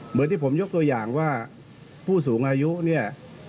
เหมือนที่ผมยกตัวอย่างว่าผู้สูงอายุเนี่ย